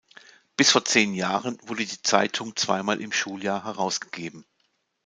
Bis vor zehn Jahren wurde die Zeitung zweimal im Schuljahr herausgegeben.